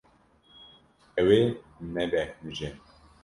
Ew ê nebêhnije.